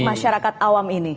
masyarakat awam ini